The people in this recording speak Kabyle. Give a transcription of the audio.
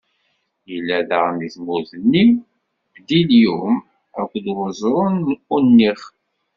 Illa daɣen di tmurt-nni, bdilyum akked uẓru n Unix.